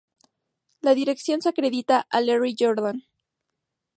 La dirección se acredita a Larry Jordan.